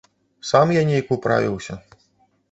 Сам я нейк управіўся.